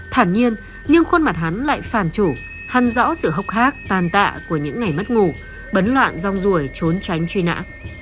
thản nhiên nhưng khuôn mặt hắn lại phàn chủ hắn rõ sự hốc hác tan tạ của những ngày mất ngủ bấn loạn rong ruồi trốn tránh truy nã